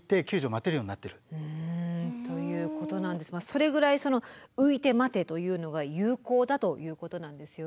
それぐらいその「ういてまて」というのが有効だということなんですよね。